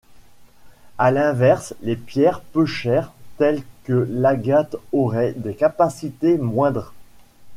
À l'inverse, les pierres peu chères telles que l'agate auraient des capacité moindres.